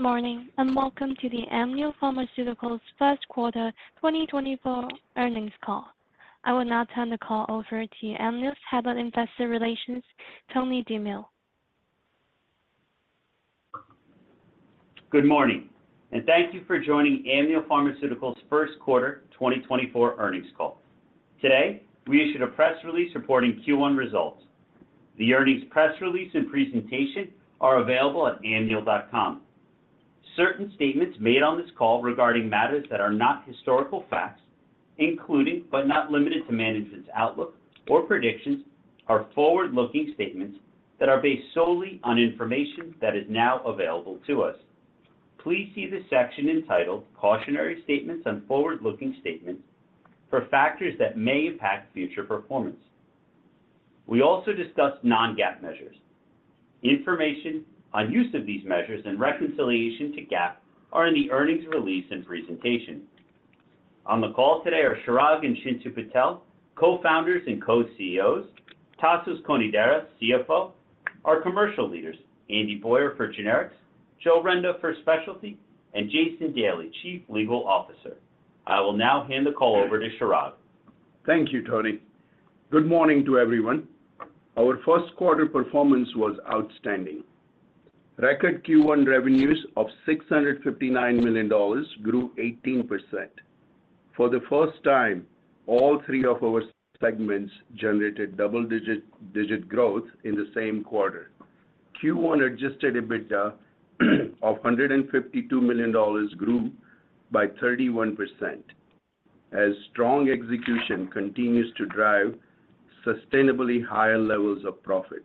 Good morning, and Welcome to the Amneal Pharmaceuticals First Quarter 2024 Earnings Call. I will now turn the call over to Amneal's Head of Investor Relations, Tony DiMeo. Good morning, and thank you for joining Amneal Pharmaceuticals first quarter 2024 earnings call. Today, we issued a press release reporting Q1 results. The earnings press release and presentation are available at amneal.com. Certain statements made on this call regarding matters that are not historical facts, including, but not limited to management's outlook or predictions, are forward-looking statements that are based solely on information that is now available to us. Please see the section entitled "Cautionary Statements and Forward-Looking Statements" for factors that may impact future performance. We also discuss non-GAAP measures. Information on use of these measures and reconciliation to GAAP are in the earnings release and presentation. On the call today are Chirag and Chintu Patel, Co-founders and Co-CEOs, Tasos Konidaris, CFO, our commercial leaders, Andy Boyer for Generics, Joe Renda for Specialty, and Jason Daly, Chief Legal Officer. I will now hand the call over to Chirag. Thank you, Tony. Good morning to everyone. Our first quarter performance was outstanding. Record Q1 revenues of $659 million grew 18%. For the first time, all three of our segments generated double-digit growth in the same quarter. Q1 adjusted EBITDA of $152 million grew by 31%, as strong execution continues to drive sustainably higher levels of profits.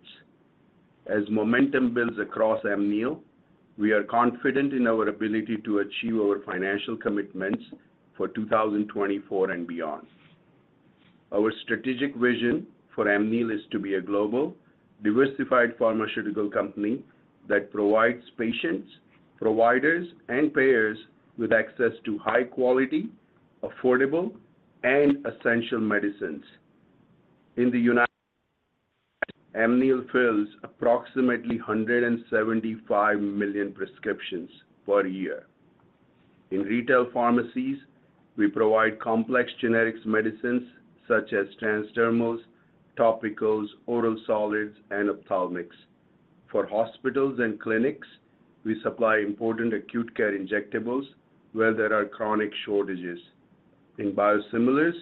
As momentum builds across Amneal, we are confident in our ability to achieve our financial commitments for 2024 and beyond. Our strategic vision for Amneal is to be a global, diversified pharmaceutical company that provides patients, providers, and payers with access to high quality, affordable, and essential medicines. In the United States, Amneal fills approximately 175 million prescriptions per year. In retail pharmacies, we provide complex generics medicines such as transdermals, topicals, oral solids, and ophthalmics. For hospitals and clinics, we supply important acute care injectables where there are chronic shortages. In biosimilars,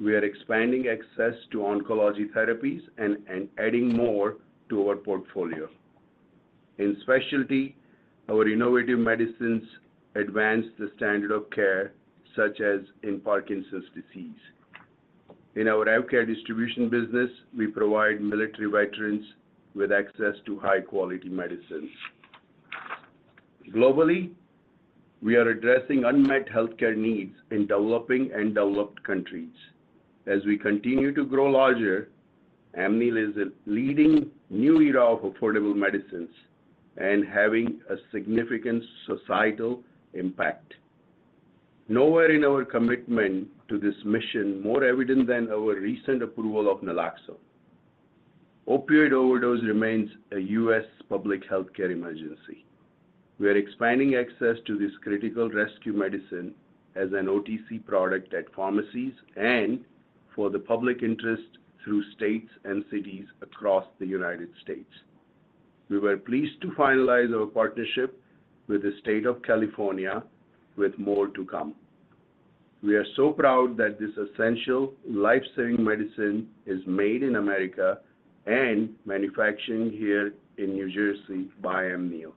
we are expanding access to oncology therapies and adding more to our portfolio. In specialty, our innovative medicines advance the standard of care, such as in Parkinson's disease. In our healthcare distribution business, we provide military veterans with access to high-quality medicines. Globally, we are addressing unmet healthcare needs in developing and developed countries. As we continue to grow larger, Amneal is a leading new era of affordable medicines and having a significant societal impact. Nowhere in our commitment to this mission, more evident than our recent approval of naloxone. Opioid overdose remains a U.S. public healthcare emergency. We are expanding access to this critical rescue medicine as an OTC product at pharmacies and for the public interest through states and cities across the United States. We were pleased to finalize our partnership with the state of California, with more to come. We are so proud that this essential life-saving medicine is made in America and manufacturing here in New Jersey by Amneal.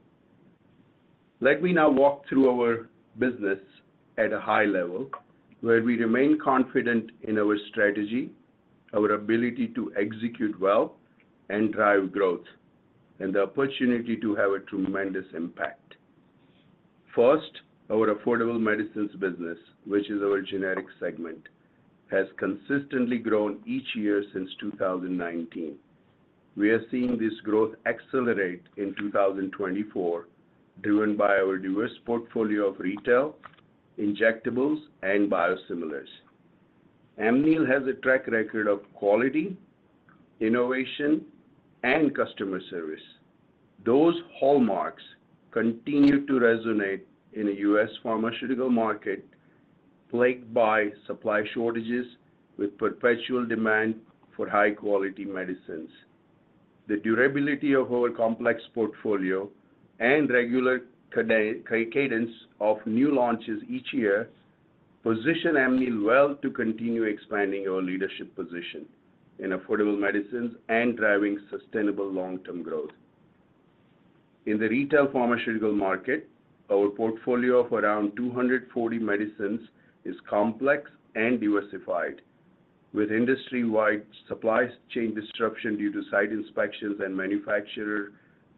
Let me now walk through our business at a high level, where we remain confident in our strategy, our ability to execute well and drive growth, and the opportunity to have a tremendous impact. First, our affordable medicines business, which is our generic segment, has consistently grown each year since 2019. We are seeing this growth accelerate in 2024, driven by our diverse portfolio of retail, injectables, and biosimilars. Amneal has a track record of quality, innovation, and customer service. Those hallmarks continue to resonate in a U.S. pharmaceutical market plagued by supply shortages with perpetual demand for high-quality medicines. The durability of our complex portfolio and regular cadence of new launches each year position Amneal well to continue expanding our leadership position in affordable medicines and driving sustainable long-term growth. In the retail pharmaceutical market, our portfolio of around 240 medicines is complex and diversified. With industry-wide supply chain disruption due to site inspections and manufacturer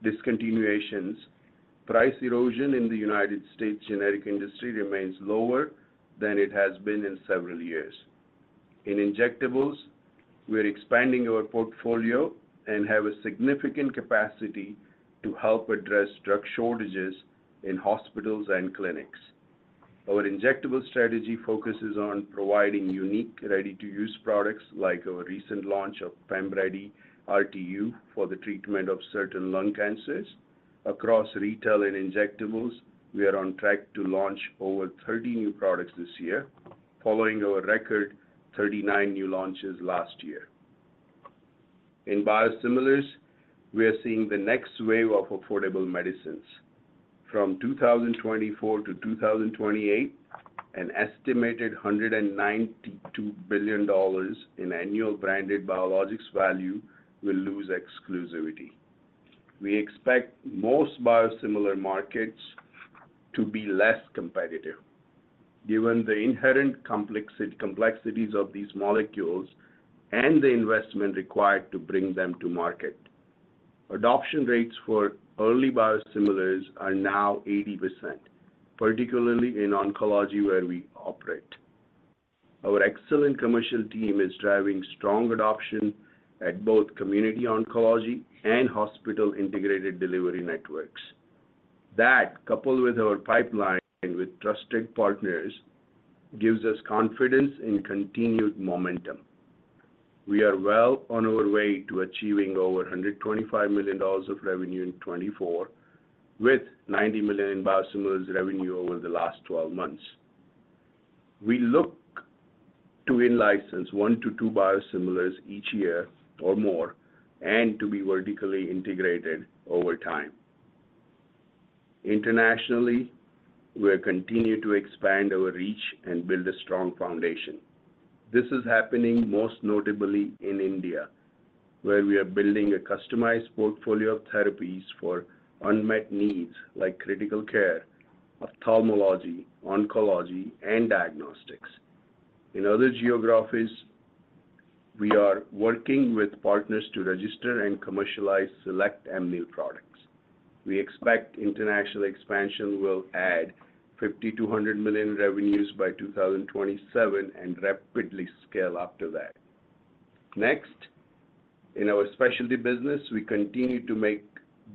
discontinuations, price erosion in the United States generic industry remains lower than it has been in several years. In injectables, we are expanding our portfolio and have a significant capacity to help address drug shortages in hospitals and clinics. Our injectable strategy focuses on providing unique, ready-to-use products, like our recent launch of PEMRYDI RTU for the treatment of certain lung cancers. Across retail and injectables, we are on track to launch over 30 new products this year, following our record 39 new launches last year. In biosimilars, we are seeing the next wave of affordable medicines. From 2024 to 2028, an estimated $192 billion in annual branded biologics value will lose exclusivity. We expect most biosimilar markets to be less competitive, given the inherent complexities of these molecules and the investment required to bring them to market. Adoption rates for early biosimilars are now 80%, particularly in oncology, where we operate. Our excellent commercial team is driving strong adoption at both community oncology and hospital-integrated delivery networks. That, coupled with our pipeline and with trusted partners, gives us confidence in continued momentum. We are well on our way to achieving over $125 million of revenue in 2024, with $90 million in biosimilars revenue over the last twelve months. We look to in-license 1-2 biosimilars each year or more, and to be vertically integrated over time. Internationally, we are continuing to expand our reach and build a strong foundation. This is happening most notably in India, where we are building a customized portfolio of therapies for unmet needs like critical care, ophthalmology, oncology, and diagnostics. In other geographies, we are working with partners to register and commercialize select Amneal products. We expect international expansion will add $50 million-$100 million revenues by 2027, and rapidly scale after that. Next, in our specialty business, we continue to make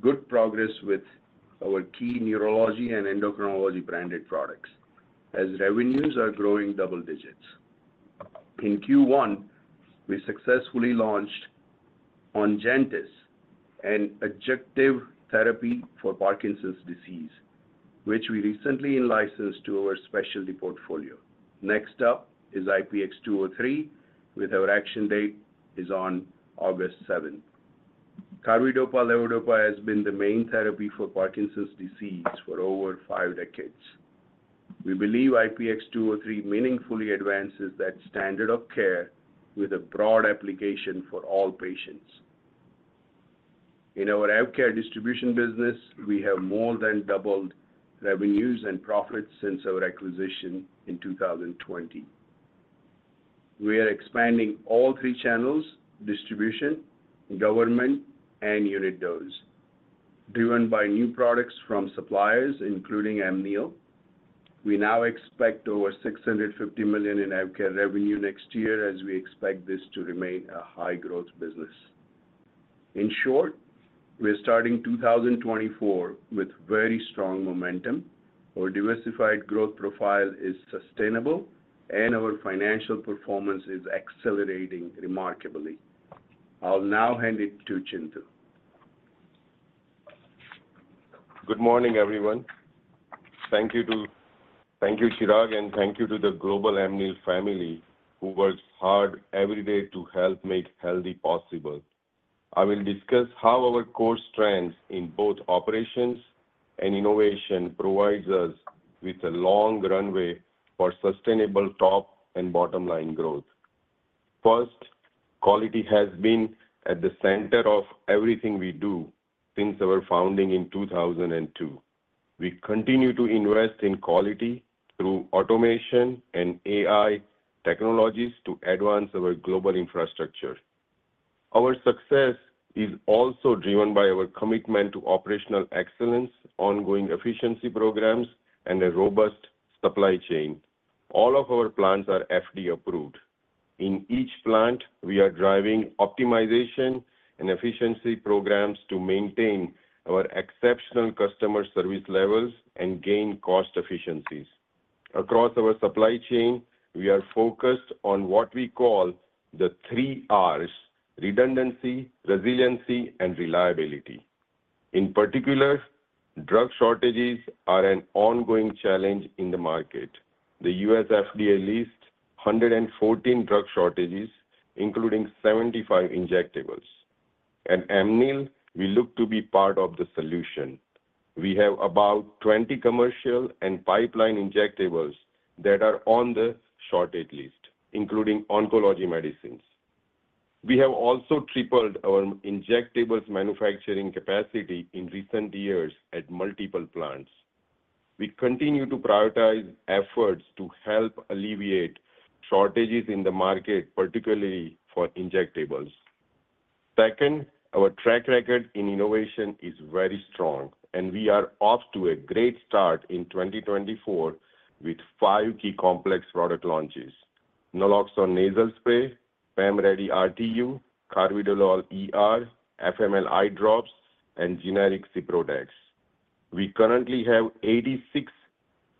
good progress with our key neurology and endocrinology branded products, as revenues are growing double digits. In Q1, we successfully launched Ongentys, an adjunctive therapy for Parkinson's disease, which we recently licensed to our specialty portfolio. Next up is IPX203, with our action date on August 7. Carbidopa/Levodopa has been the main therapy for Parkinson's disease for over 5 decades. We believe IPX203 meaningfully advances that standard of care with a broad application for all patients. In our AvKARE distribution business, we have more than doubled revenues and profits since our acquisition in 2020. We are expanding all three channels: distribution, government, and unit dose, driven by new products from suppliers, including Amneal. We now expect over $650 million in AvKARE revenue next year, as we expect this to remain a high-growth business. In short, we are starting 2024 with very strong momentum. Our diversified growth profile is sustainable, and our financial performance is accelerating remarkably. I'll now hand it to Chintu. Good morning, everyone. Thank you, Chirag, and thank you to the global Amneal family, who works hard every day to help make healthy possible. I will discuss how our core strengths in both operations and innovation provides us with a long runway for sustainable top and bottom-line growth. First, quality has been at the center of everything we do since our founding in 2002. We continue to invest in quality through automation and AI technologies to advance our global infrastructure. Our success is also driven by our commitment to operational excellence, ongoing efficiency programs, and a robust supply chain. All of our plants are FDA-approved. In each plant, we are driving optimization and efficiency programs to maintain our exceptional customer service levels and gain cost efficiencies. Across our supply chain, we are focused on what we call the three Rs: redundancy, resiliency, and reliability. In particular, drug shortages are an ongoing challenge in the market. The U.S. FDA lists 114 drug shortages, including 75 injectables. At Amneal, we look to be part of the solution. We have about 20 commercial and pipeline injectables that are on the shortage list, including oncology medicines. We have also tripled our injectables manufacturing capacity in recent years at multiple plants. We continue to prioritize efforts to help alleviate shortages in the market, particularly for injectables. Second, our track record in innovation is very strong, and we are off to a great start in 2024 with 5 key complex product launches: Naloxone nasal spray, PEMRYDI RTU, Carvedilol ER, FML eye drops, and generic Ciprodex. We currently have 86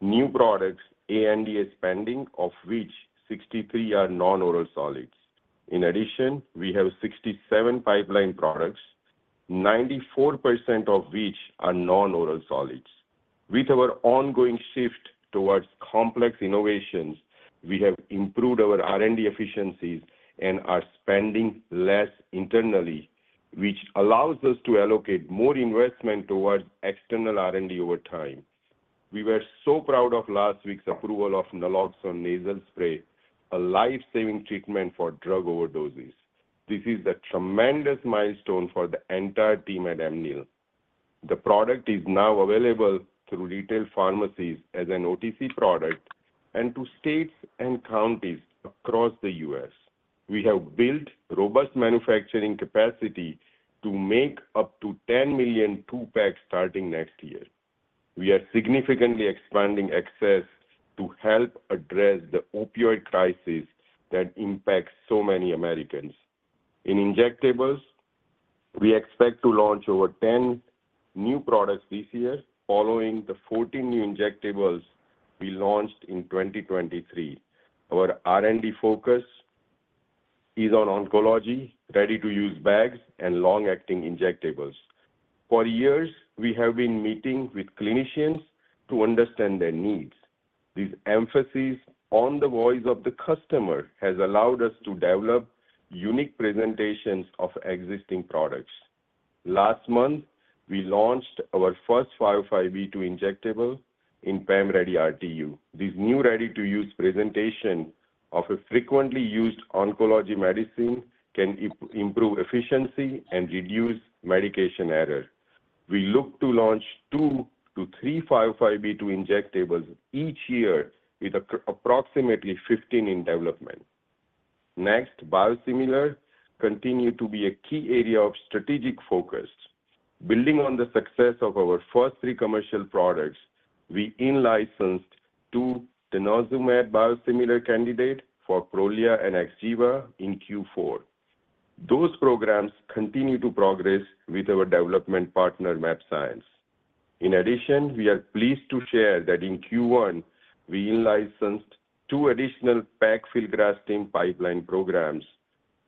new products, ANDA pending, of which 63 are non-oral solids. In addition, we have 67 pipeline products, 94% of which are non-oral solids. With our ongoing shift towards complex innovations, we have improved our R&D efficiencies and are spending less internally, which allows us to allocate more investment towards external R&D over time. We were so proud of last week's approval of Naloxone nasal spray, a life-saving treatment for drug overdoses. This is a tremendous milestone for the entire team at Amneal. The product is now available through retail pharmacies as an OTC product and to states and counties across the U.S. We have built robust manufacturing capacity to make up to 10 million two-packs starting next year. We are significantly expanding access to help address the opioid crisis that impacts so many Americans. In injectables, we expect to launch over 10 new products this year, following the 14 new injectables we launched in 2023. Our R&D focus is on oncology, ready-to-use bags, and long-acting injectables. For years, we have been meeting with clinicians to understand their needs. This emphasis on the voice of the customer has allowed us to develop unique presentations of existing products. Last month, we launched our first 505(b)(2) injectable in PEMRYDI RTU. This new ready-to-use presentation of a frequently used oncology medicine can improve efficiency and reduce medication error. We look to launch 2-3 505(b)(2) injectables each year, with approximately 15 in development. Next, biosimilars continue to be a key area of strategic focus. Building on the success of our first 3 commercial products, we in-licensed 2 denosumab biosimilar candidates for Prolia and Xgeva in Q4. Those programs continue to progress with our development partner, mAbxience. In addition, we are pleased to share that in Q1, we in-licensed 2 additional paclitaxel pipeline programs,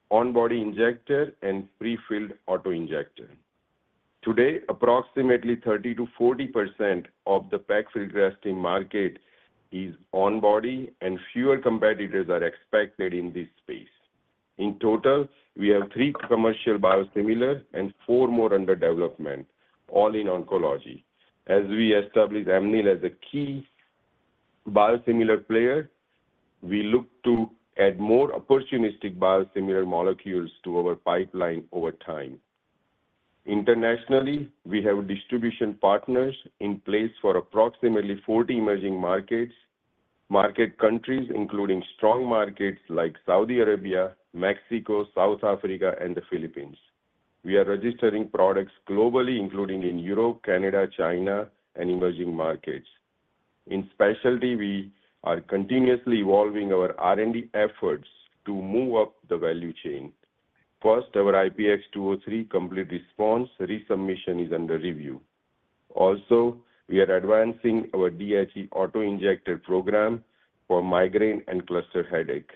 on-body injector and prefilled auto-injector. Today, approximately 30%-40% of the paclitaxel market is on-body and fewer competitors are expected in this space. In total, we have 3 commercial biosimilars and 4 more under development, all in oncology. As we establish Amneal as a key biosimilars player, we look to add more opportunistic biosimilar molecules to our pipeline over time. Internationally, we have distribution partners in place for approximately 40 emerging markets, market countries, including strong markets like Saudi Arabia, Mexico, South Africa, and the Philippines. We are registering products globally, including in Europe, Canada, China, and emerging markets. In specialty, we are continuously evolving our R&D efforts to move up the value chain. First, our IPX203 complete response resubmission is under review. Also, we are advancing our DHE auto-injector program for migraine and cluster headache.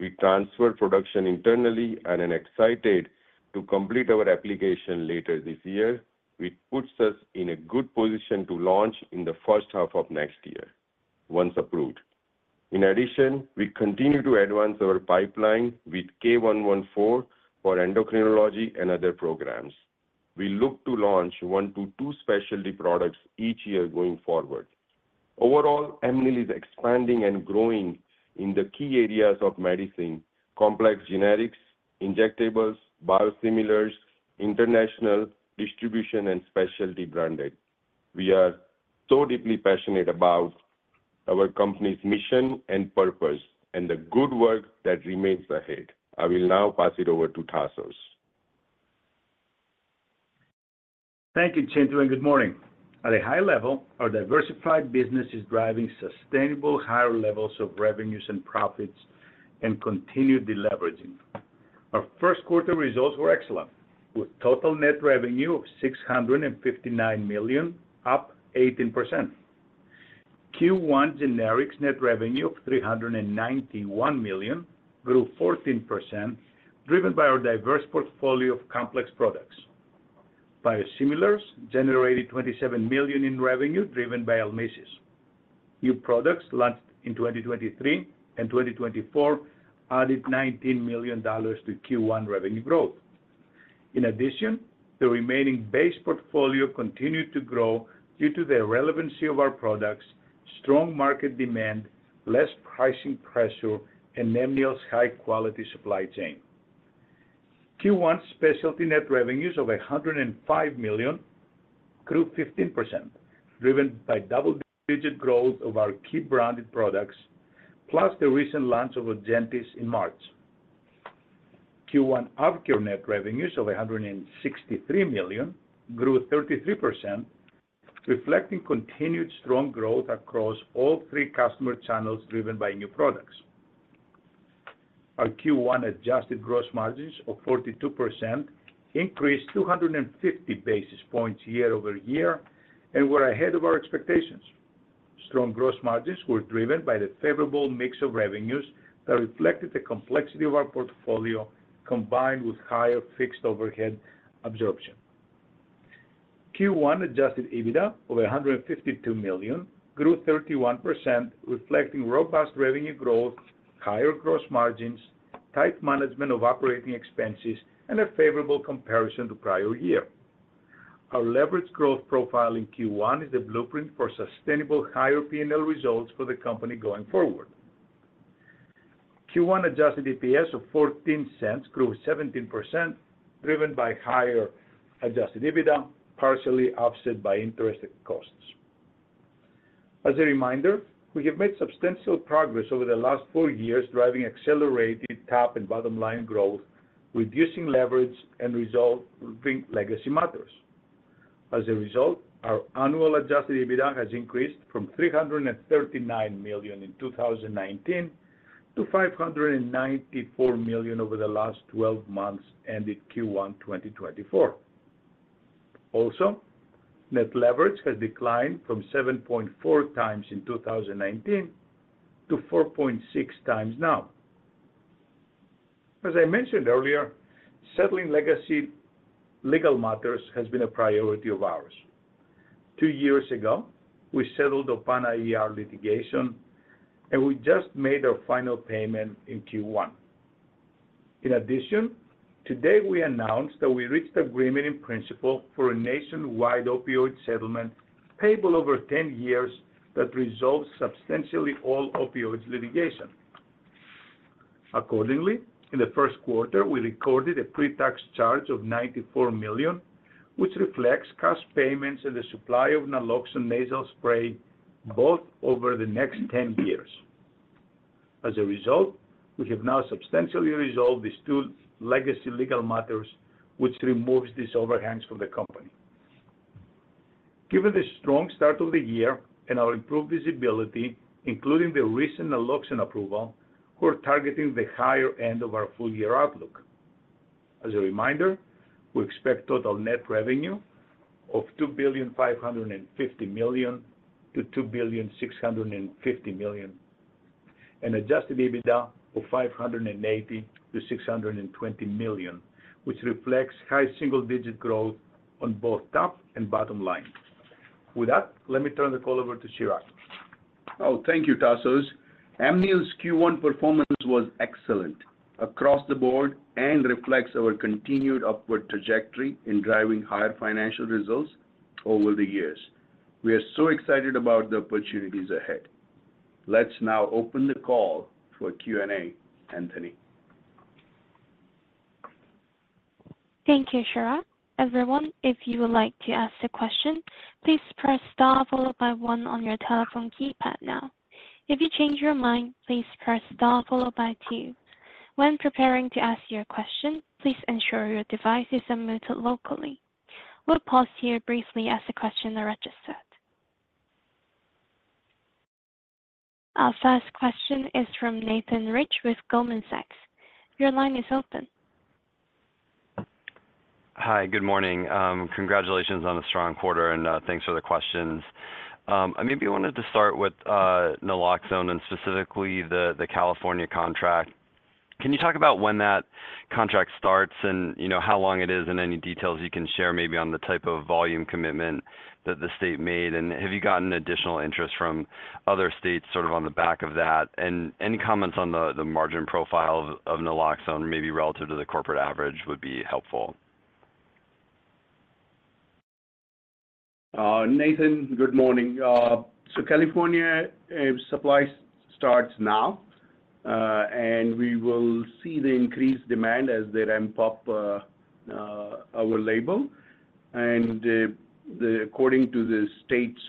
We transferred production internally and are excited to complete our application later this year, which puts us in a good position to launch in the first half of next year, once approved. In addition, we continue to advance our pipeline with K114 for endocrinology and other programs. We look to launch 1-2 specialty products each year going forward. Overall, Amneal is expanding and growing in the key areas of medicine: complex generics, injectables, biosimilars, international distribution, and specialty branded. We are so deeply passionate about our company's mission and purpose, and the good work that remains ahead. I will now pass it over to Tasos. Thank you, Chintu, and good morning. At a high level, our diversified business is driving sustainable higher levels of revenues and profits and continued deleveraging. Our first quarter results were excellent, with total net revenue of $659 million, up 18%. Q1 generics net revenue of $391 million, grew 14%, driven by our diverse portfolio of complex products. Biosimilars generated $27 million in revenue, driven by ALYMSYS. New products launched in 2023 and 2024 added $19 million to Q1 revenue growth. In addition, the remaining base portfolio continued to grow due to the relevancy of our products, strong market demand, less pricing pressure, and Amneal's high-quality supply chain. Q1 specialty net revenues of $105 million grew 15%, driven by double-digit growth of our key branded products, plus the recent launch of Ongentys in March. Q1 AvKARE net revenues of $163 million grew 33%, reflecting continued strong growth across all three customer channels driven by new products. Our Q1 adjusted gross margins of 42% increased 250 basis points year-over-year, and were ahead of our expectations. Strong gross margins were driven by the favorable mix of revenues that reflected the complexity of our portfolio, combined with higher fixed overhead absorption. Q1 adjusted EBITDA of $152 million grew 31%, reflecting robust revenue growth, higher gross margins, tight management of operating expenses, and a favorable comparison to prior year. Our leverage growth profile in Q1 is the blueprint for sustainable higher P&L results for the company going forward. Q1 adjusted EPS of $0.14 grew 17%, driven by higher adjusted EBITDA, partially offset by interest costs. As a reminder, we have made substantial progress over the last four years, driving accelerated top and bottom line growth, reducing leverage, and resolving legacy matters. As a result, our annual adjusted EBITDA has increased from $339 million in 2019 to $594 million over the last twelve months, ending Q1 2024. Also, net leverage has declined from 7.4x in 2019 to 4.6x now. As I mentioned earlier, settling legacy legal matters has been a priority of ours. Two years ago, we settled our Para IV litigation, and we just made our final payment in Q1. In addition, today we announced that we reached agreement in principle for a nationwide opioid settlement, payable over 10 years that resolves substantially all opioid litigation. Accordingly, in the first quarter, we recorded a pre-tax charge of $94 million, which reflects cash payments and the supply of naloxone nasal spray, both over the next 10 years. As a result, we have now substantially resolved these two legacy legal matters, which removes these overhangs from the company. Given the strong start of the year and our improved visibility, including the recent naloxone approval, we're targeting the higher end of our full-year outlook. As a reminder, we expect total net revenue of $2.55 billion-$2.65 billion, and adjusted EBITDA of $580 million-$620 million, which reflects high single-digit growth on both top and bottom line. With that, let me turn the call over to Chirag. Oh, thank you, Tasos. Amneal's Q1 performance was excellent across the board and reflects our continued upward trajectory in driving higher financial results over the years. We are so excited about the opportunities ahead. Let's now open the call for Q&A, Anthony. Thank you, Chirag. Everyone, if you would like to ask a question, please press Star followed by one on your telephone keypad now. If you change your mind, please press Star followed by two. When preparing to ask your question, please ensure your device is unmuted locally. We'll pause here briefly as the questions are registered. Our first question is from Nathan Rich with Goldman Sachs. Your line is open. Hi, good morning. Congratulations on a strong quarter, and thanks for the questions. I maybe wanted to start with Naloxone and specifically the California contract. Can you talk about when that contract starts and, you know, how long it is and any details you can share maybe on the type of volume commitment that the state made? And have you gotten additional interest from other states, sort of on the back of that? And any comments on the margin profile of Naloxone, maybe relative to the corporate average, would be helpful. Nathan, good morning. So California, supply starts now, and we will see the increased demand as they ramp up our label. And according to the state's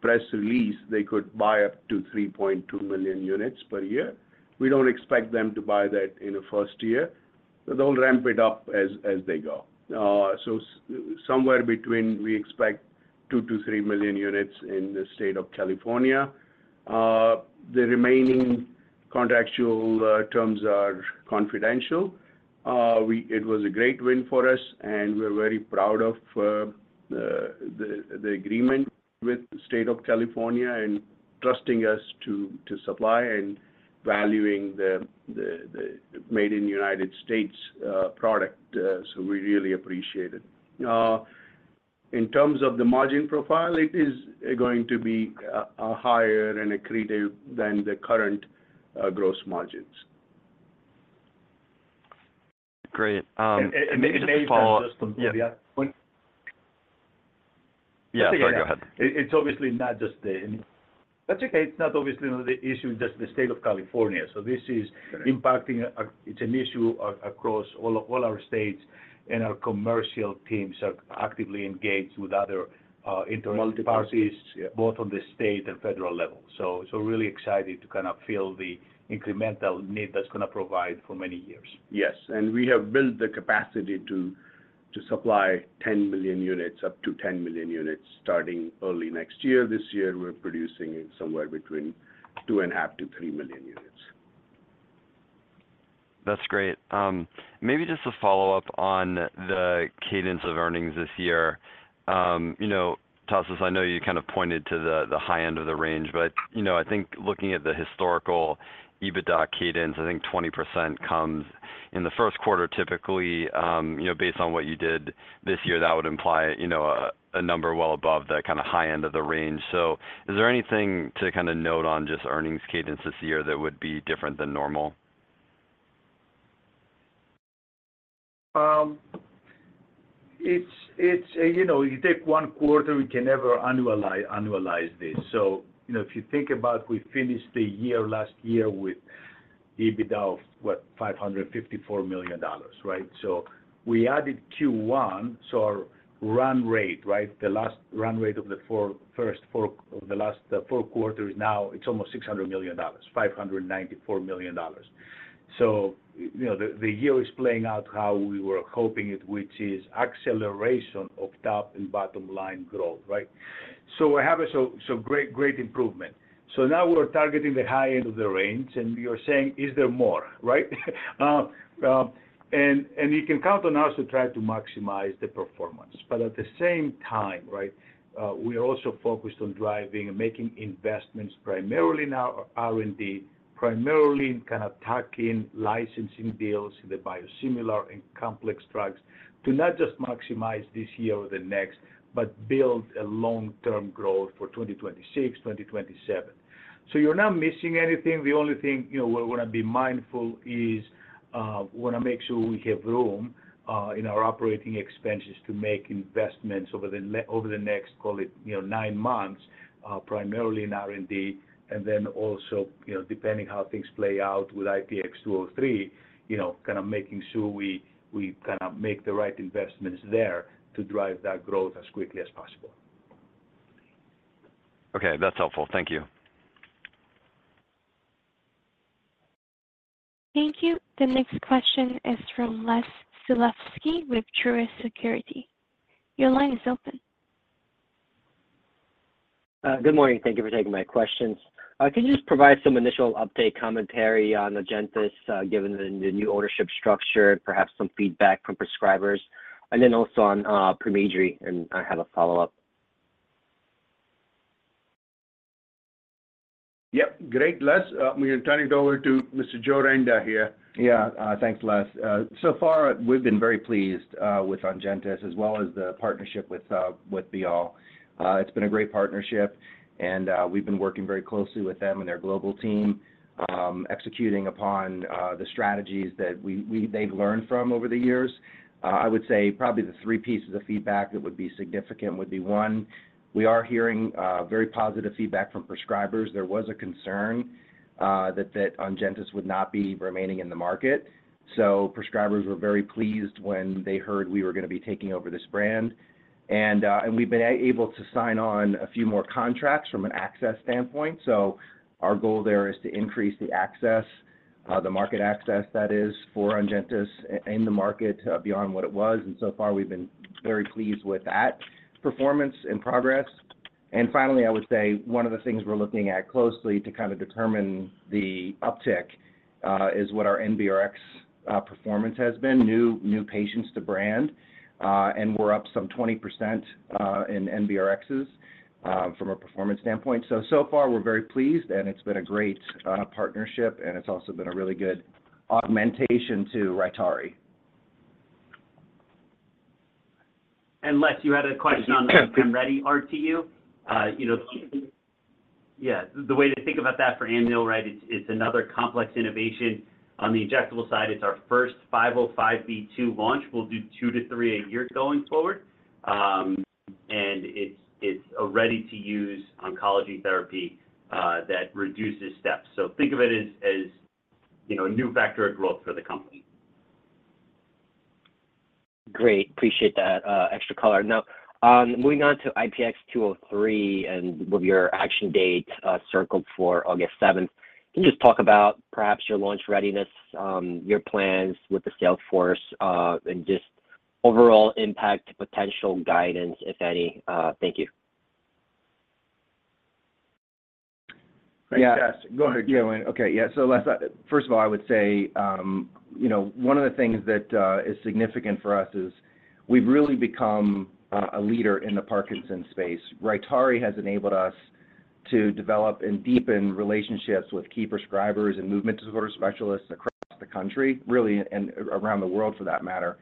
press release, they could buy up to 3.2 million units per year. We don't expect them to buy that in the first year, but they'll ramp it up as they go. So somewhere between, we expect 2 million-3 million units in the state of California. The remaining contractual terms are confidential. We, it was a great win for us, and we're very proud of the agreement with the State of California and trusting us to supply and valuing the made in the United States product, so we really appreciate it. In terms of the margin profile, it is going to be higher and accretive than the current gross margins. Great, and maybe just to follow up- Maybe, Nathan, just on the yeah. Yeah, sorry, go ahead. It's obviously not just the... That's okay. It's not obviously the issue, just the state of California. So this is- Got it. impacting. It's an issue across all our states, and our commercial teams are actively engaged with other internal parties- Multiple parties. both on the state and federal level. So, really excited to kind of feel the incremental need that's going to provide for many years. Yes, and we have built the capacity to-... to supply 10 million units, up to 10 million units, starting early next year. This year, we're producing somewhere between 2.5 million-3 million units. That's great. Maybe just a follow-up on the cadence of earnings this year. You know, Tasos, I know you kind of pointed to the high end of the range, but, you know, I think looking at the historical EBITDA cadence, I think 20% comes in the first quarter, typically. You know, based on what you did this year, that would imply a number well above the kind of high end of the range. So is there anything to kind of note on just earnings cadence this year that would be different than normal? It's, you know, you take one quarter, we can never annualize this. So, you know, if you think about we finished the year last year with EBITDA of, what? $554 million, right? So we added Q1, so our run rate, right, the last run rate of the last four quarters is now, it's almost $600 million, $594 million. So, you know, the year is playing out how we were hoping it, which is acceleration of top and bottom line growth, right? So we're having so, so great, great improvement. So now we're targeting the high end of the range, and you're saying, "Is there more?" Right? You can count on us to try to maximize the performance, but at the same time, right, we are also focused on driving and making investments primarily in our R&D, primarily in kind of tackling licensing deals in the biosimilars and complex drugs to not just maximize this year or the next, but build a long-term growth for 2026, 2027. So you're not missing anything. The only thing, you know, we're wanna be mindful is, we wanna make sure we have room, in our operating expenses to make investments over the next, call it, you know, nine months, primarily in R&D. And then also, you know, depending how things play out with IPX203, you know, kind of making sure we kind of make the right investments there to drive that growth as quickly as possible. Okay, that's helpful. Thank you. Thank you. The next question is from Les Sulewski with Truist Securities. Your line is open. Good morning. Thank you for taking my questions. Can you just provide some initial update commentary on Ongentys, given the new ownership structure, perhaps some feedback from prescribers, and then also on PEMRYDI? And I have a follow-up. Yep. Great, Les. We are turning it over to Mr. Joe Renda here. Yeah, thanks, Les. So far, we've been very pleased with Ongentys as well as the partnership with Bial. It's been a great partnership, and we've been working very closely with them and their global team, executing upon the strategies that they've learned from over the years. I would say probably the three pieces of feedback that would be significant would be, one, we are hearing very positive feedback from prescribers. There was a concern that Ongentys would not be remaining in the market, so prescribers were very pleased when they heard we were gonna be taking over this brand. And we've been able to sign on a few more contracts from an access standpoint. So our goal there is to increase the access, the market access that is for Ongentys in the market, beyond what it was, and so far, we've been very pleased with that performance and progress. And finally, I would say one of the things we're looking at closely to kind of determine the uptick, is what our NBRX performance has been, new patients to brand, and we're up some 20%, in NBRXs, from a performance standpoint. So far, we're very pleased, and it's been a great partnership, and it's also been a really good augmentation to Rytary. Les, you had a question on the PEMRYDI RTU? You know... Yeah, the way to think about that for Amneal, right, it's, it's another complex innovation. On the injectable side, it's our first 505(b)(2) launch. We'll do two to three a year going forward. And it's, it's a ready-to-use oncology therapy, that reduces steps. So think of it as, as, you know, a new vector of growth for the company. Great. Appreciate that, extra color. Now, moving on to IPX203, and with your action date, circled for August seventh, can you just talk about perhaps your launch readiness, your plans with the sales force, and just overall impact, potential guidance, if any? Thank you. Yeah- Yes. Go ahead, Joe. Okay, yeah. So Les, first of all, I would say, you know, one of the things that is significant for us is we've really become a leader in the Parkinson's space. Rytary has enabled us to develop and deepen relationships with key prescribers and movement disorder specialists across the country, really, and around the world, for that matter.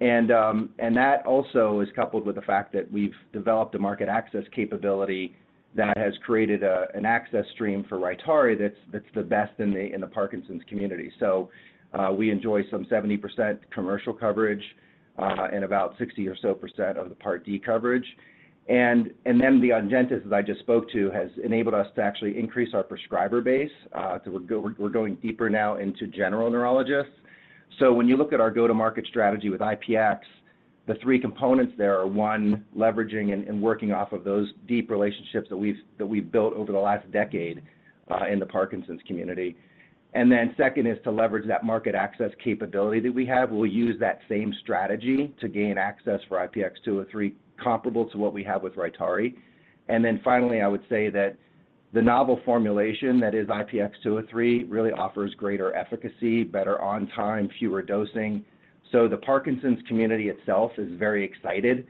And that also is coupled with the fact that we've developed a market access capability that has created a access stream for Rytary that's the best in the Parkinson's community. So we enjoy some 70% commercial coverage, and about 60% or so of the Part D coverage. And then the Ongentys, as I just spoke to, has enabled us to actually increase our prescriber base. So we're going deeper now into general neurologists. So when you look at our go-to-market strategy with IPX, the three components there are, one, leveraging and working off of those deep relationships that we've built over the last decade.... in the Parkinson's community. And then second is to leverage that market access capability that we have. We'll use that same strategy to gain access for IPX203, comparable to what we have with Rytary. And then finally, I would say that the novel formulation, that is IPX203, really offers greater efficacy, better on time, fewer dosing. So the Parkinson's community itself is very excited.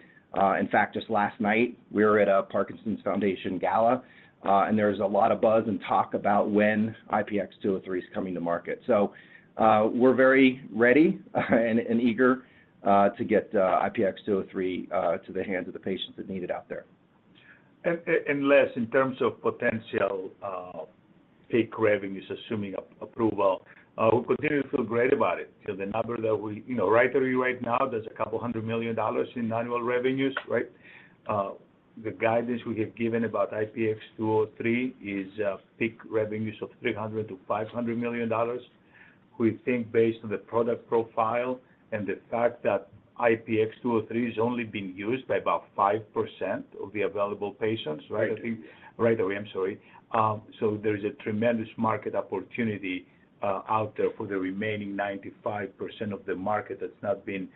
In fact, just last night, we were at a Parkinson's Foundation gala, and there was a lot of buzz and talk about when IPX203 is coming to market. So, we're very ready and, and eager, to get IPX203, to the hands of the patients that need it out there. And Les, in terms of potential peak revenues, assuming approval, we continue to feel great about it because the number that we... You know, Rytary right now, there's a couple $100 million in annual revenues, right? The guidance we have given about IPX203 is peak revenues of $300 million-$500 million. We think based on the product profile and the fact that IPX203 has only been used by about 5% of the available patients, right? Rytary. Rytary, I'm sorry. So there's a tremendous market opportunity out there for the remaining 95% of the market that's not been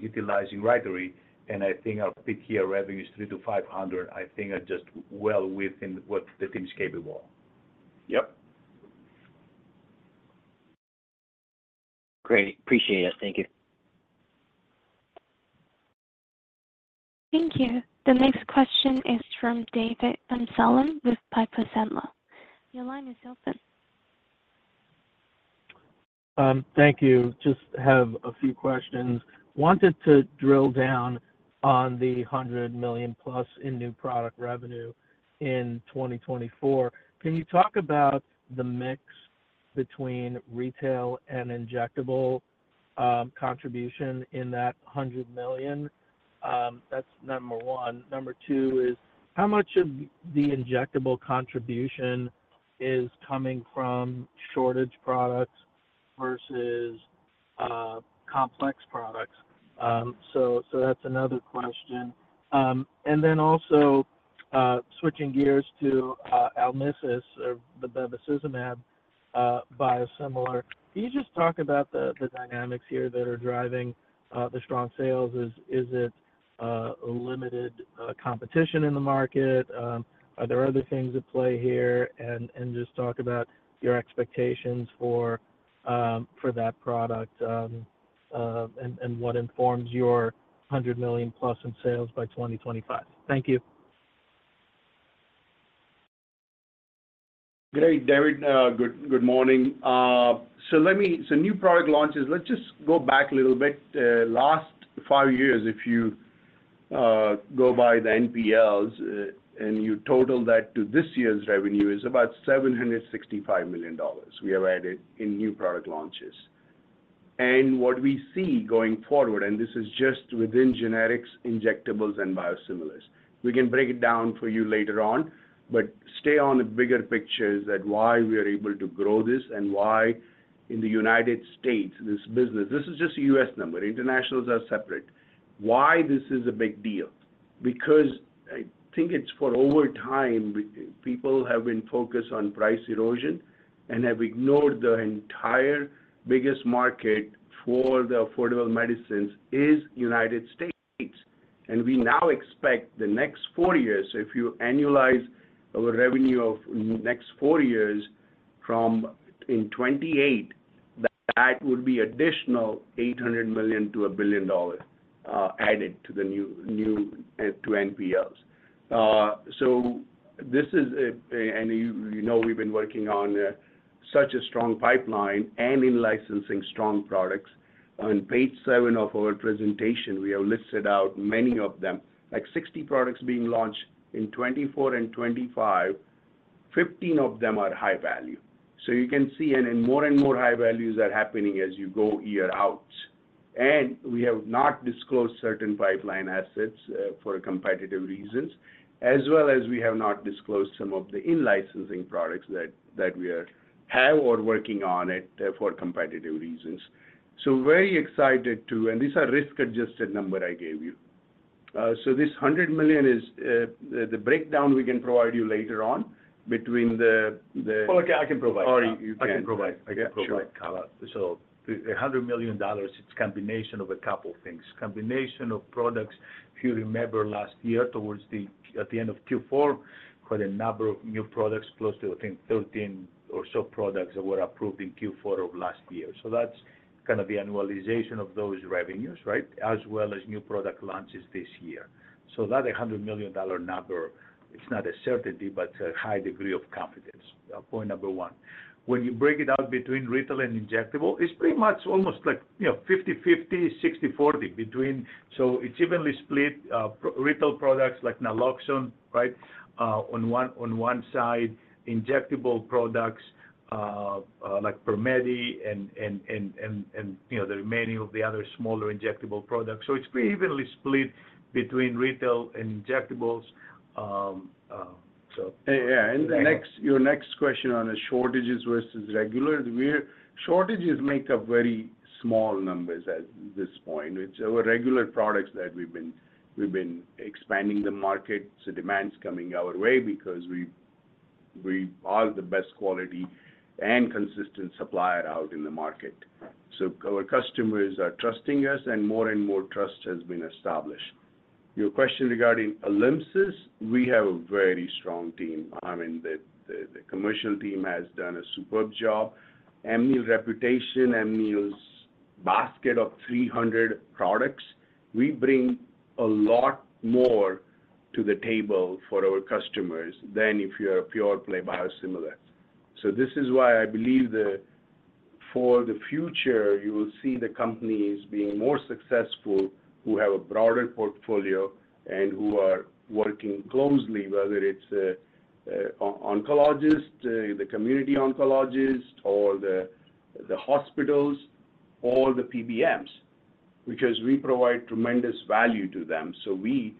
utilizing Rytary, and I think our peak year revenue is $300-$500, I think are just well within what the team's capable of. Yep. Great. Appreciate it. Thank you. Thank you. The next question is from David Amsellem with Piper Sandler. Your line is open. Thank you. Just have a few questions. Wanted to drill down on the $100 million+ in new product revenue in 2024. Can you talk about the mix between retail and injectable contribution in that $100 million? That's number one. Number two is, how much of the injectable contribution is coming from shortage products versus complex products? So that's another question. And then also, switching gears to ALYMSYS or the bevacizumab biosimilar. Can you just talk about the dynamics here that are driving the strong sales? Is it limited competition in the market? Are there other things at play here? And just talk about your expectations for that product, and what informs your $100 million+ in sales by 2025. Thank you. Great, David. Good morning. So new product launches, let's just go back a little bit. Last five years, if you go by the NPLs, and you total that to this year's revenue, is about $765 million we have added in new product launches. And what we see going forward, and this is just within generics, injectables, and biosimilars. We can break it down for you later on, but stay on the bigger picture, is that why we are able to grow this and why in the United States, this business... This is just a U.S. number. Internationals are separate. Why this is a big deal? Because I think it's, over time, people have been focused on price erosion and have ignored the entire biggest market for the affordable medicines is United States. We now expect the next four years, if you annualize our revenue of next four years from in 2028, that would be additional $800 million-$1 billion added to the NPLs. So this is, and you know, we've been working on such a strong pipeline and in licensing strong products. On page seven of our presentation, we have listed out many of them, like 60 products being launched in 2024 and 2025, 15 of them are high value. So you can see, and more and more high values are happening as you go year out. We have not disclosed certain pipeline assets for competitive reasons, as well as we have not disclosed some of the in-licensing products that we are, have or working on it for competitive reasons. So very excited to, and these are risk-adjusted number I gave you. This $100 million is the breakdown we can provide you later on between the, Well, I can provide. You can provide. I can provide. Yeah, sure. So the $100 million, it's combination of a couple things. Combination of products, if you remember last year, towards the end of Q4, quite a number of new products, close to, I think, 13 or so products that were approved in Q4 of last year. So that's kind of the annualization of those revenues, right? As well as new product launches this year. So that $100 million number, it's not a certainty, but a high degree of confidence. Point number one. When you break it out between retail and injectable, it's pretty much almost like, you know, 50/50, 60/40 between. So it's evenly split, retail products like Naloxone, right? On one side, injectable products like PEMRYDI and, you know, the remaining of the other smaller injectable products. So it's pretty evenly split between retail and injectables. Yeah, and your next question on the shortages versus regular. We're—shortages make up very small numbers at this point. It's our regular products that we've been, we've been expanding the market. So demand's coming our way because we... we are the best quality and consistent supplier out in the market. So our customers are trusting us, and more and more trust has been established. Your question regarding ALYMSYS, we have a very strong team. I mean, the commercial team has done a superb job. Amneal's reputation, Amneal's basket of 300 products, we bring a lot more to the table for our customers than if you're a pure-play biosimilar. So this is why I believe that for the future, you will see the companies being more successful, who have a broader portfolio and who are working closely, whether it's oncologist, the community oncologist or the hospitals or the PBMs, because we provide tremendous value to them. So we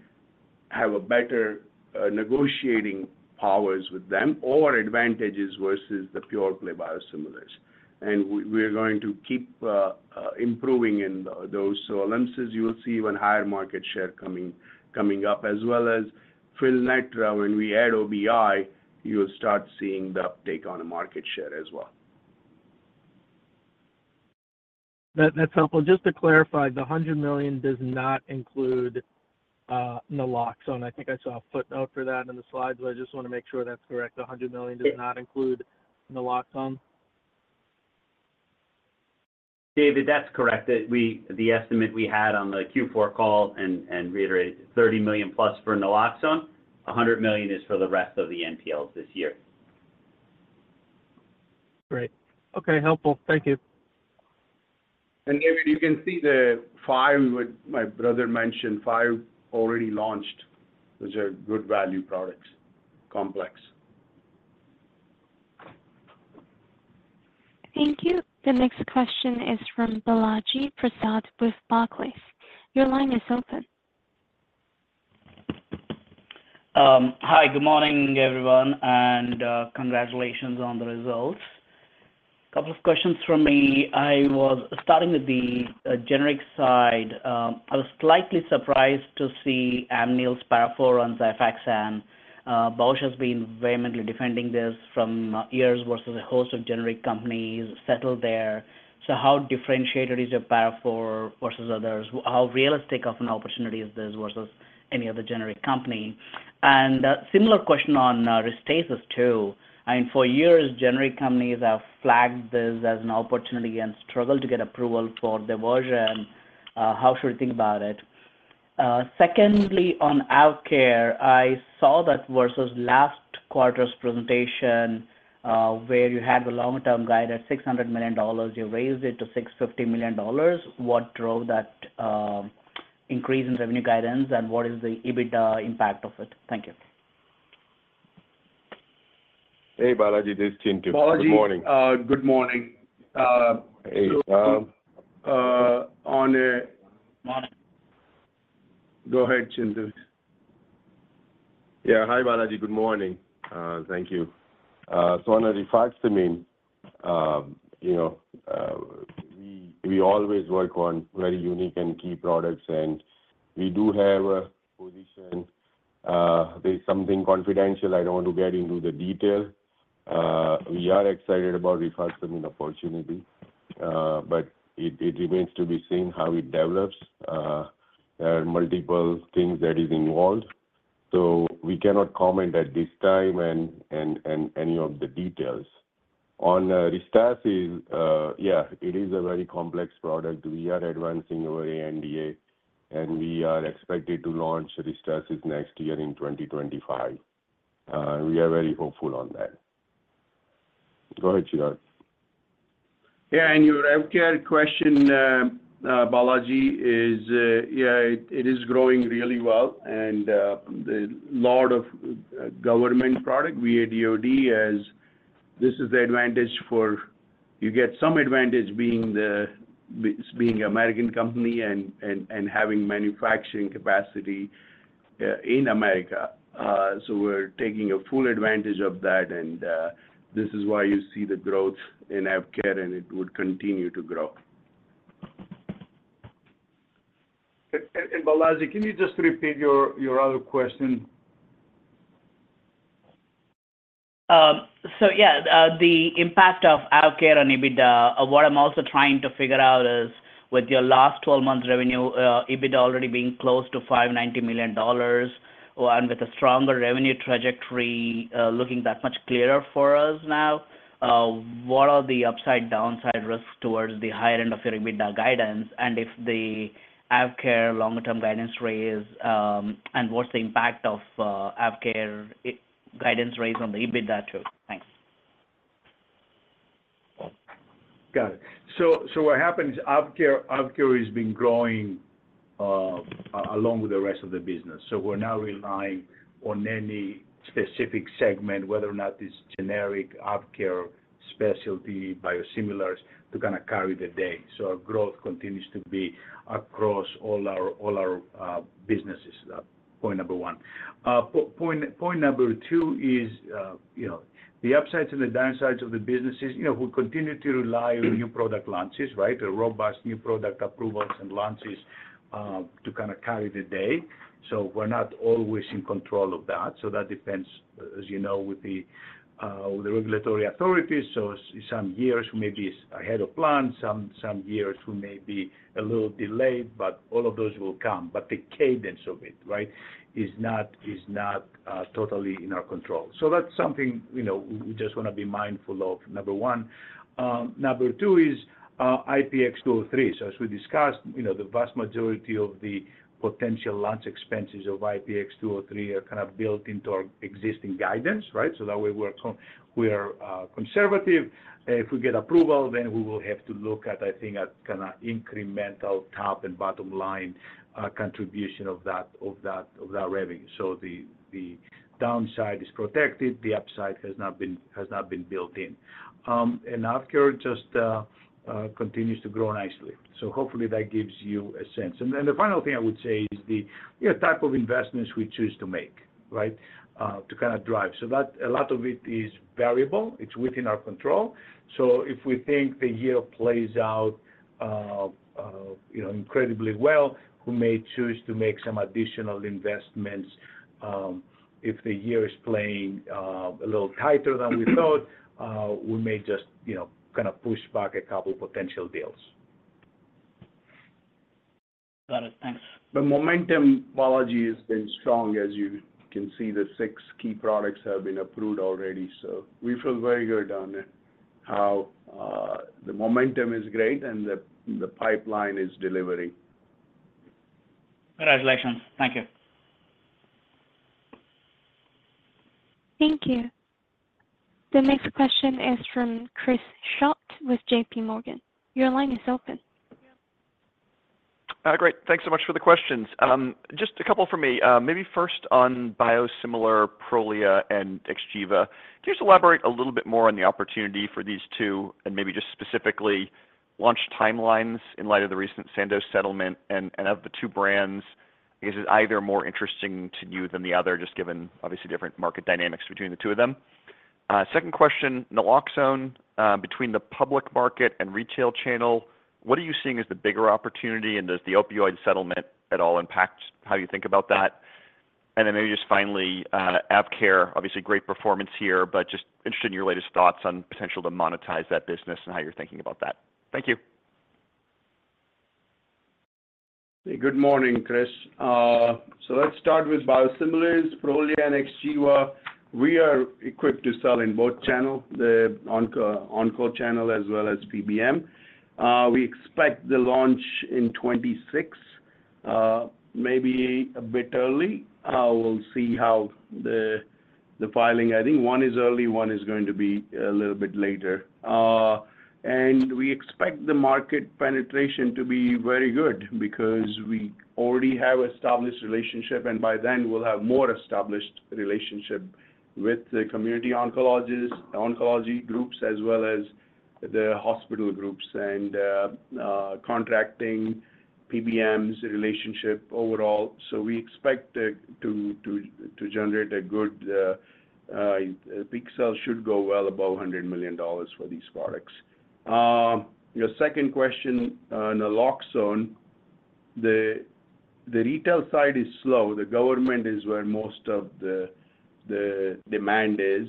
have a better negotiating powers with them or advantages versus the pure-play biosimilars. And we're going to keep improving in those. So Alymsys, you will see even higher market share coming up, as well as Fylnetra, when we add OBI, you'll start seeing the uptake on the market share as well. That's helpful. Just to clarify, the $100 million does not include naloxone. I think I saw a footnote for that in the slides, but I just wanna make sure that's correct. The $100 million does not include naloxone? David, that's correct, that we—the estimate we had on the Q4 call and reiterated $30 million plus for naloxone. $100 million is for the rest of the NPLs this year. Great. Okay, helpful. Thank you. David, you can see the five, which my brother mentioned, five already launched, which are good value products, complex. Thank you. The next question is from Balaji Prasad with Barclays. Your line is open. Hi, good morning, everyone, and congratulations on the results. Couple of questions from me. I was starting with the generic side. I was slightly surprised to see Amneal's Para IV on Xifaxan. Bausch has been vehemently defending this for years versus a host of generic companies settled there. So how differentiated is your Para IV versus others? How realistic of an opportunity is this versus any other generic company? And a similar question on Restasis, too. I mean, for years, generic companies have flagged this as an opportunity and struggled to get approval for their version. How should we think about it? Secondly, on AvKare, I saw that versus last quarter's presentation, where you had the long-term guide at $600 million. You raised it to $650 million. What drove that, increase in revenue guidance, and what is the EBITDA impact of it? Thank you. Hey, Balaji, this is Chintu. Good morning. Balaji, good morning. Hey, uh- Go ahead, Chintu. Yeah. Hi, Balaji. Good morning, thank you. So on the rifaximin, you know, we always work on very unique and key products, and we do have a position. There's something confidential. I don't want to get into the detail. We are excited about rifaximin opportunity, but it remains to be seen how it develops. There are multiple things that is involved, so we cannot comment at this time and any of the details. On Restasis, yeah, it is a very complex product. We are advancing our ANDA, and we are expected to launch Restasis next year in 2025. We are very hopeful on that. Go ahead, Chirag. Yeah, and your AvKare question, Balaji, is, yeah, it is growing really well and the lot of government product via DOD, as this is the advantage for... You get some advantage being an American company and having manufacturing capacity in America. So we're taking a full advantage of that, and this is why you see the growth in AvKare, and it would continue to grow. Balaji, can you just repeat your other question? So yeah, the impact of AvKare on EBITDA. What I'm also trying to figure out is, with your last twelve-month revenue, EBITDA already being close to $590 million, and with a stronger revenue trajectory, looking that much clearer for us now, what are the upside, downside risks towards the higher end of your EBITDA guidance, and if the AvKare longer-term guidance raise, and what's the impact of, AvKare, guidance raise on the EBITDA too? Thanks. Got it. So, so what happened is AvKare, AvKare has been growing along with the rest of the business. So we're not relying on any specific segment, whether or not this generic AvKare-... specialty biosimilars to kind of carry the day. So our growth continues to be across all our businesses, point number one. Point number two is, you know, the upsides and the downsides of the businesses. You know, we continue to rely on new product launches, right? A robust new product approvals and launches to kind of carry the day. So we're not always in control of that. So that depends, as you know, with the regulatory authorities. So some years may be ahead of plan, some years we may be a little delayed, but all of those will come. But the cadence of it, right, is not totally in our control. So that's something, you know, we just wanna be mindful of, number one. Number two is IPX203. So as we discussed, you know, the vast majority of the potential launch expenses of IPX203 are kind of built into our existing guidance, right? So that way we are conservative. If we get approval, then we will have to look at, I think, a kind of incremental top and bottom line contribution of that revenue. So the downside is protected. The upside has not been built in. And after just continues to grow nicely. So hopefully that gives you a sense. And then the final thing I would say is the, you know, type of investments we choose to make, right? To kind of drive. So that, a lot of it is variable. It's within our control. So if we think the year plays out, you know, incredibly well, we may choose to make some additional investments. If the year is playing a little tighter than we thought, we may just, you know, kind of push back a couple potential deals. Got it. Thanks. The momentum in biologics has been strong. As you can see, the six key products have been approved already. So we feel very good on how the momentum is great and the pipeline is delivering. Congratulations. Thank you. Thank you. The next question is from Chris Schott with J.P. Morgan. Your line is open. Great. Thanks so much for the questions. Just a couple for me. Maybe first on biosimilar Prolia and Xgeva. Can you just elaborate a little bit more on the opportunity for these two and maybe just specifically launch timelines in light of the recent Sandoz settlement? And of the two brands, is either more interesting to you than the other, just given obviously different market dynamics between the two of them. Second question, naloxone. Between the public market and retail channel, what are you seeing as the bigger opportunity, and does the opioid settlement at all impact how you think about that? And then maybe just finally, AvKare. Obviously, great performance here, but just interested in your latest thoughts on potential to monetize that business and how you're thinking about that. Thank you. Good morning, Chris. So let's start with biosimilars, Prolia and Xgeva. We are equipped to sell in both channel, the onco, onco channel as well as PBM. We expect the launch in 2026, maybe a bit early. We'll see how the, the filing... I think one is early, one is going to be a little bit later. And we expect the market penetration to be very good because we already have established relationship, and by then, we'll have more established relationship with the community oncologists, oncology groups, as well as the hospital groups and contracting PBMs relationship overall. So we expect it to generate a good peak sale should go well above $100 million for these products. Your second question on naloxone. The retail side is slow. The government is where most of the demand is,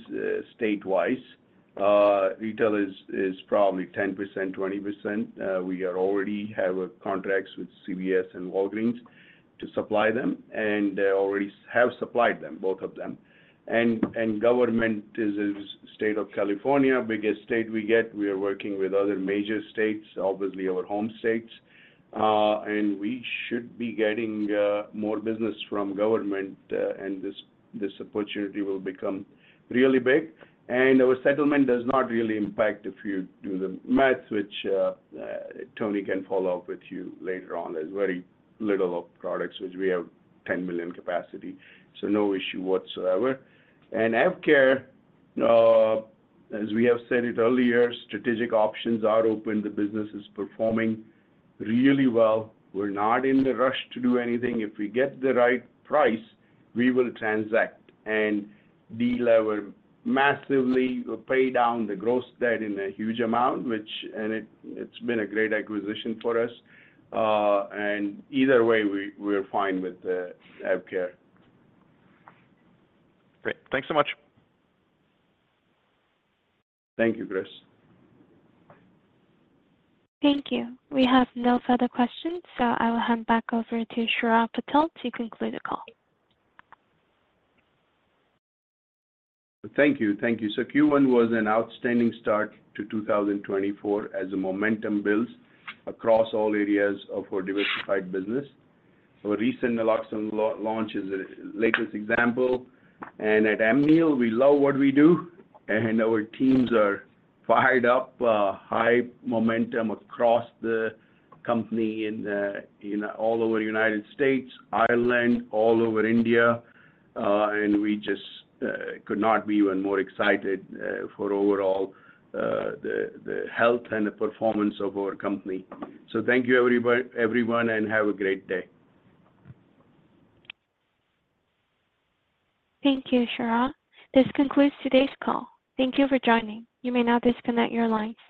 state-wise. Retail is probably 10%, 20%. We are already have contracts with CVS and Walgreens to supply them, and already have supplied them, both of them. Government is the state of California, biggest state we get. We are working with other major states, obviously our home states. And we should be getting more business from government, and this opportunity will become really big. And our settlement does not really impact if you do the math, which Tony can follow up with you later on. There's very little of products, which we have 10 million capacity, so no issue whatsoever. And AvKare, as we have said it earlier, strategic options are open. The business is performing really well. We're not in the rush to do anything. If we get the right price, we will transact and delever massively, pay down the gross debt in a huge amount, which it's been a great acquisition for us. And either way, we're fine with the AvKare. Great. Thanks so much. Thank you, Chris. Thank you. We have no further questions, so I will hand back over to Chirag Patel to conclude the call. Thank you. Thank you. So Q1 was an outstanding start to 2024 as the momentum builds across all areas of our diversified business. Our recent Naloxone launch is the latest example, and at Amneal, we love what we do, and our teams are fired up. High momentum across the company in, in all over the United States, Ireland, all over India, and we just could not be even more excited for overall, the, the health and the performance of our company. So thank you, everyone, and have a great day. Thank you, Chirag. This concludes today's call. Thank you for joining. You may now disconnect your lines.